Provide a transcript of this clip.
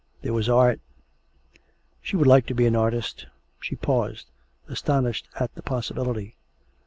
There was art. She would like to be an artist! She paused, astonished at the possibility.